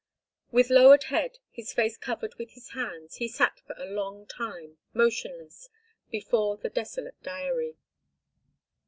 With lowered head, his face covered with his hands, he sat for a long time, motionless, before the desolate diary.